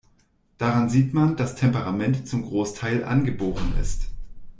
Daran sieht man, dass Temperament zum Großteil angeboren ist.